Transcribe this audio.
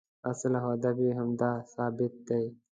اصل او هدف یې همدا ثبات دی.